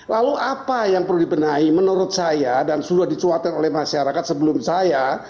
lalu apa yang perlu dibenahi menurut saya dan sudah dicuatkan oleh masyarakat sebelum saya